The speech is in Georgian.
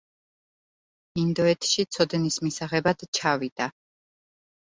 ინდოეთში ცოდნის მისაღებად ჩავიდა.